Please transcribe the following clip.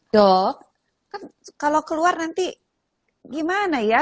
dok kan kalau keluar nanti gimana ya